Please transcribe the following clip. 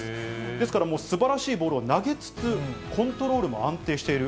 ですからもう、すばらしいボールを投げつつ、コントロールも安定している。